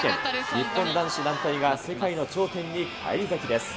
日本男子団体が世界の頂点に返り咲きです。